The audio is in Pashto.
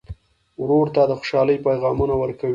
ورور ته د خوشحالۍ پیغامونه ورکوې.